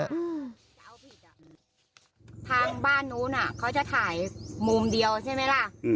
ทางบ้านนู้นเค้าจะถ่ายมุมเดียวใช่มะล่ะ